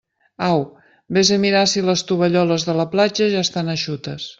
Au, vés a mirar si les tovalloles de la platja ja estan eixutes.